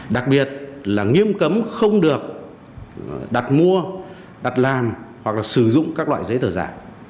đặc biệt là nghiêm cấm không được đặt mua đặt làm hoặc là sử dụng các loại giấy tờ giả